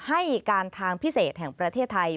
ให้การทางพิเศษแห่งประเทศไทย